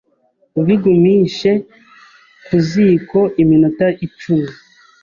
ubigumishe ku ziko iminota icumi,